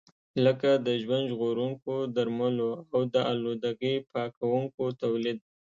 لکه د ژوند ژغورونکو درملو او د آلودګۍ پاکونکو تولید.